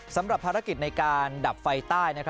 สำหรับภารกิจในการดับไฟใต้